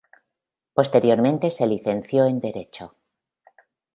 Posteriormente se licenció en derecho.